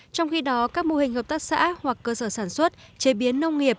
trong khi đó các mô hình hợp tác xã hoặc cơ sở sản xuất chế biến nông nghiệp